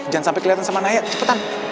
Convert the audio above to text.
jangan sampai kelihatan sama naya cepetan